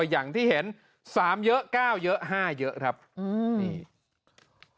อย่างที่เห็น๓เยอะ๙เยอะ๕เยอะครับอืม